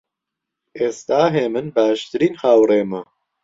ئێستا هێمن باشترین هاوڕێمە.